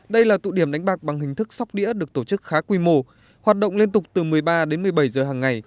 đây là tụ điểm đánh bạc bằng hình thức sóc đĩa được tổ chức khá quy mô hoạt động liên tục từ một mươi ba đến một mươi bảy giờ hằng ngày